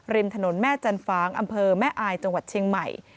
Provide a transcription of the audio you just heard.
ริมถนนแม่จันฟ้างอำเภอแม่อายจังหวัดเชียงใหม่